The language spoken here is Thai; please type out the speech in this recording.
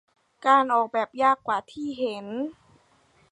การออกแบบยากกว่าที่เห็น